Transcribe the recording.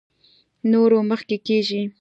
نورو مخکې کېږي.